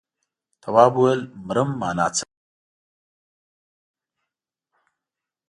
تواب وويل: مرم مانا څه ده.